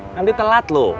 nanti telat loh